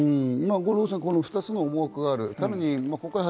五郎さん、この２つの思惑がある。